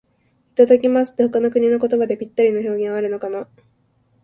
「いただきます」って、他の国の言葉でぴったりの表現はあるのかな。